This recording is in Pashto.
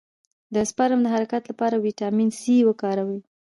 د سپرم د حرکت لپاره ویټامین سي وکاروئ